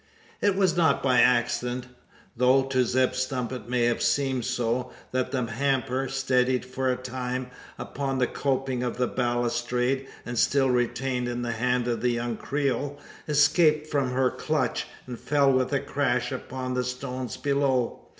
It was not by accident though to Zeb Stump it may have seemed so that the hamper, steadied for a time, upon the coping of the balustrade, and still retained in the hand of the young Creole, escaped from her clutch, and fell with a crash upon the stones below.